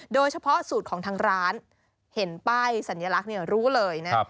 โดยเฉพาะสูตรของทางร้านเห็นป้ายสัญลักษณ์รู้เลยนะ